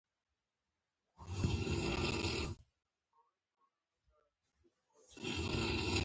ایا ستاسو درسونه خلاص شوي نه دي؟